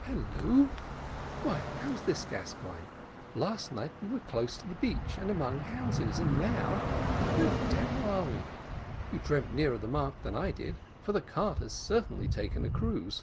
"Halloo! why, how's this, Gascoigne? last night we were close to the beach, and among houses, and now where the devil are we? You dreamt nearer the mark than I did, for the cart has certainly taken a cruise."